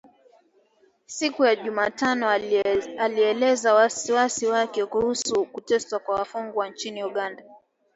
Siku ya Jumatano alielezea wasiwasi wake kuhusu kuteswa kwa wafungwa nchini Uganda.